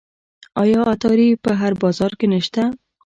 آیا عطاري په هر بازار کې نشته؟